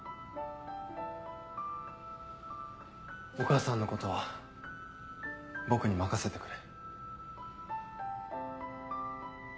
お母さんのことは僕に任せてくれ。